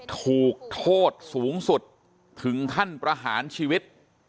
ถูกโทษสูงสุดถึงขั้นประหารชีวิต